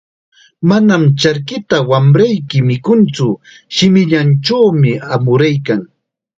"Manam charkita wamrayki mikuntsu, shimillanchawmi amuraykan."